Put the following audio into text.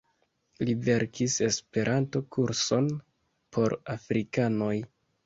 Li verkis Esperanto-kurson por afrikanoj.